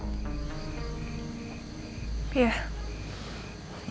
kita pergi sekarang